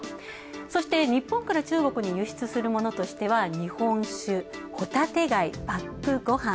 そして、日本から中国に輸出するものとしては日本酒、ほたて貝、パックごはん。